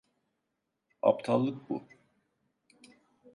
Aptallık bu.